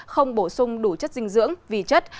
không bổ sung đủ chất dinh dưỡng vị chất